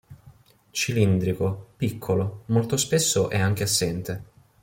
Cilindrico, piccolo, molto spesso è anche assente.